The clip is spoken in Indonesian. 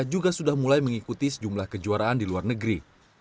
juga sudah mulai mengikuti sejumlah kejuaraan di luar negeri